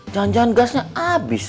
jangan jangan gasnya habis